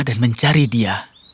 dan mencari dia